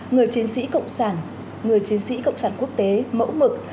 người chiến sĩ cộng sản người chiến sĩ cộng sản quốc tế mẫu mực